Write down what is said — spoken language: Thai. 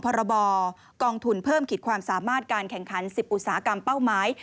พรบกองทุนเพิ่มขีดความสามารถการแข่งขัน๑๐อุตสาหกรรมเป้าหมาย